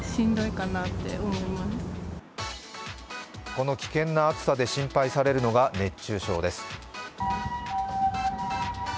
この危険な暑さで心配されるのが熱中症です。